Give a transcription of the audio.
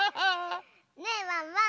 ねえワンワン！